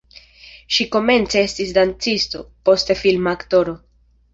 Ŝi komence estis dancisto, poste filma aktoro.